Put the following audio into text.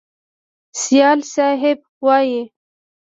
سایل صیب وایي: